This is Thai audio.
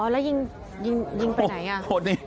แล้วยิงไปไหนอ่ะ